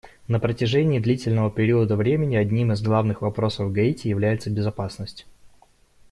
На протяжении длительного периода времени одним из главных вопросов в Гаити является безопасность.